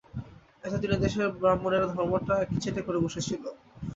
এতদিন এদেশের ব্রাহ্মণেরা ধর্মটা একচেটে করে বসেছিল।